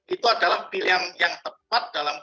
itu adalah pilihan yang tepat dalam